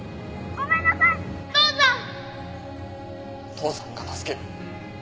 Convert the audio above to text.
父さんが助ける。